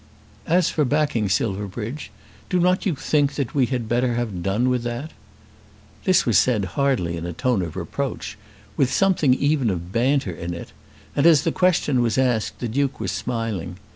"As for backing, Silverbridge, do not you think that we had better have done with that?" This was said hardly in a tone of reproach, with something even of banter in it; and as the question was asked the Duke was smiling.